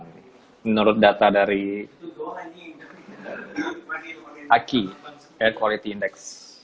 menurut data dari aki air quality index